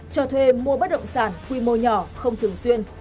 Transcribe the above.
cho thuê mua bất động sản quy mô nhỏ không thường xuyên